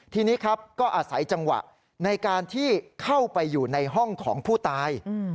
ทีนี้ครับก็อาศัยจังหวะในการที่เข้าไปอยู่ในห้องของผู้ตาย